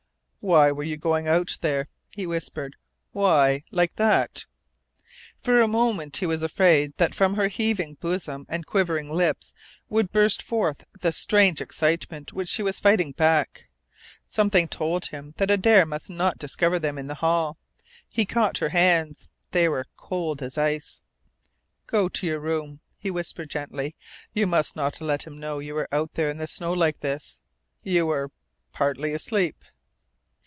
"Why were you going out there?" he whispered. "Why like that?" For a moment he was afraid that from her heaving bosom and quivering lips would burst forth the strange excitement which she was fighting back. Something told him that Adare must not discover them in the hall. He caught her hands. They were cold as ice. "Go to your room," he whispered gently. "You must not let him know you were out there in the snow like this. You were partly asleep."